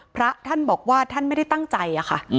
พระท่านบอกว่าท่านไม่ได้ตั้งใจอะค่ะ